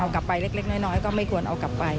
กลับไปเล็กน้อยก็ไม่ควรเอากลับไป